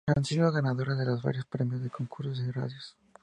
Han sido ganadores de varios premios en concursos y radios.